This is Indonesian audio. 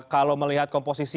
kalau melihat komposisi